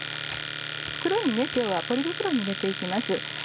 今日はポリ袋に入れて行きます。